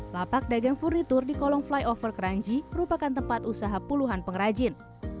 lapak dagang furnitur di kolong flyover keranji merupakan tempat usaha puluhan pengrajin